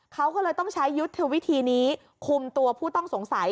เขาก็เลยต้องใช้ยุทธวิธีนี้คุมตัวผู้ต้องสงสัย